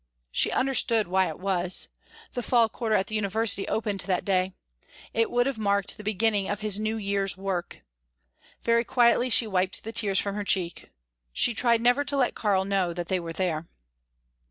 She understood why it was; the fall quarter at the university opened that day. It would have marked the beginning of his new year's work. Very quietly she wiped the tears from her cheek. She tried never to let Karl know that they were there.